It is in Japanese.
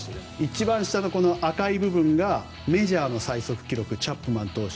一番下の赤い部分がメジャーの最速記録チャップマン投手